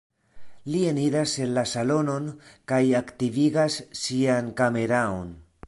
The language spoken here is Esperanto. Li eniras la salonon kaj aktivigas sian kameraon.